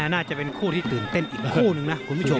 น่าจะเป็นคู่ที่ตื่นเต้นอีกคู่นึงนะคุณผู้ชม